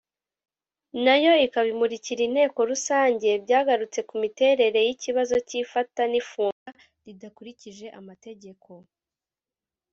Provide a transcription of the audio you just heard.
nayo ikabimurikira inteko rusange byagarutse ku miterere y’ikibazo cy’ifata n’ifunga ridakurikije amategeko